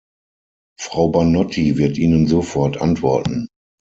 Frau Banotti wird Ihnen sofort antworten.